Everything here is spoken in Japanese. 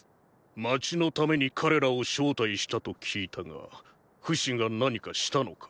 街のために彼らを招待したと聞いたがフシが何かしたのか？